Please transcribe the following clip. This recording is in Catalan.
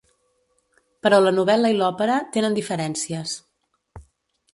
Però la novel·la i l'òpera tenen diferències.